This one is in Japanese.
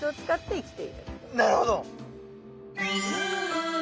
なるほど！